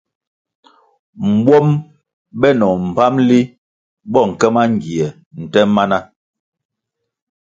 Mbuom benoh mbpamli bo nke mangie nte mana.